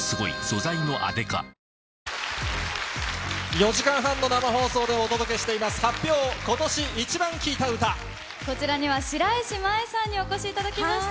４時間半の生放送でお届けしています、こちらには白石麻衣さんにお越しいただきました。